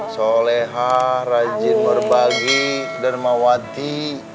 solehah rajin berbagi dan mawati